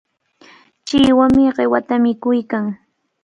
Chiwami qiwata mikuykan.